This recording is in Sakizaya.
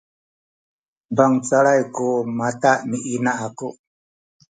bangcal ku mata ni ina aku